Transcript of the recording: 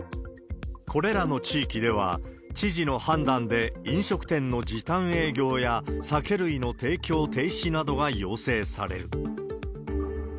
これらの地域では、知事の判断で飲食店の時短営業や酒類の提供停止などが要請される。